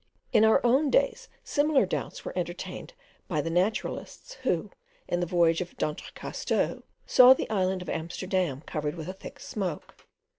In our own days similar doubts were entertained by the naturalists, who, in the voyage of d'Entrecasteaux, saw the island of Amsterdam covered with a thick smoke.